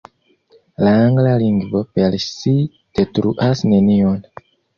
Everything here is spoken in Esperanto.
La angla lingvo per si detruas nenion.